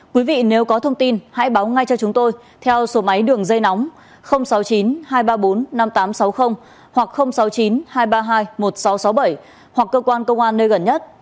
quý vị nếu có thông tin hãy báo ngay cho chúng tôi theo số máy đường dây nóng sáu mươi chín hai trăm ba mươi bốn năm nghìn tám trăm sáu mươi hoặc sáu mươi chín hai trăm ba mươi hai một nghìn sáu trăm sáu mươi bảy hoặc cơ quan công an nơi gần nhất